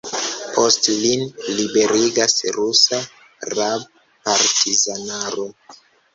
Poste lin liberigas rusa rab-partizanaro.